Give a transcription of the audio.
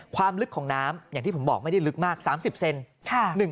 ความลึกของน้ำอย่างที่ผมบอกไม่ได้ลึกมาก๓๐เซน